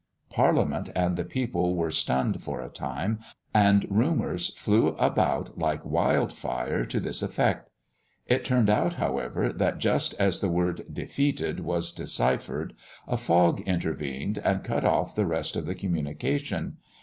Parliament and the people were stunned for a time, and rumours flew about like wildfire to this effect. It turned out, however, that just as the word "defeated" was deciphered, a fog intervened, and cut off the rest of the communication.